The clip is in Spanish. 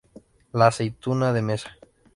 La aceituna de mesa.